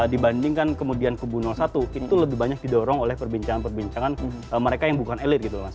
dibandingkan kemudian kebun satu itu lebih banyak didorong oleh perbincangan perbincangan mereka yang bukan elit gitu loh mas